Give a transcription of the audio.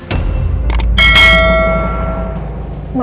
bambir aku jelasinnya